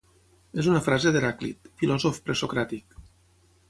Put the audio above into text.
És una frase d'Heràclit, filòsof presocràtic